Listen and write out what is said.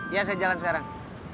iya saya jalan sekarang